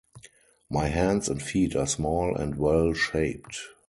My hands and feet are small and well-shaped.